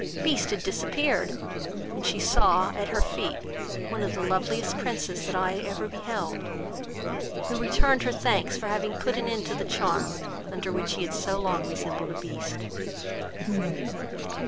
Beast had disappeared, and she saw, at her feet, one of the loveliest Princes that eye ever beheld, who returned her thanks for having put an end to the charm, under which he had so long resembled a Beast.